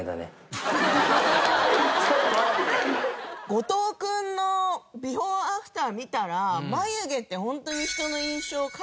後藤君のビフォーアフター見たら眉毛ってホントに人の印象を変えるなっていうか。